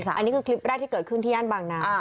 อันนี้คือคลิปแรกที่เกิดขึ้นที่ย่านบางนา